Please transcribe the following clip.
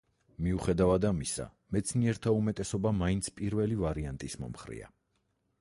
მიუხედავად ამისა, მეცნიერთა უმეტესობა მაინც პირველი ვარიანტის მომხრეა.